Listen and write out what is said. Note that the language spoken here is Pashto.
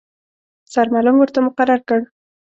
سرمعلم ورته مقرر کړ.